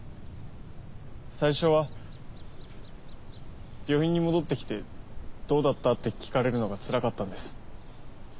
最初は病院に戻ってきて「どうだった？」って聞かれるのがつらかったんです。